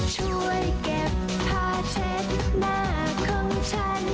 ช่วยเก็บผ้าเช็ดหน้า